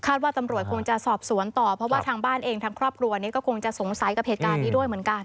ว่าตำรวจคงจะสอบสวนต่อเพราะว่าทางบ้านเองทางครอบครัวนี้ก็คงจะสงสัยกับเหตุการณ์นี้ด้วยเหมือนกัน